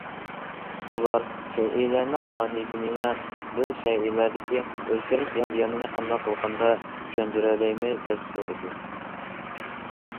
ئۇلار« شەيئىلەرنىڭ ماھىيىتى نېمە؟»،« بىز شەيئىلەردىكى ئۆزگىرىش جەريانىنى قانداق قىلغاندا چۈشەندۈرەلەيمىز؟» دەپ سورىدى.